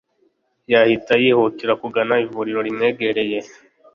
yahita yihutira kugana ivuriro rimwegereye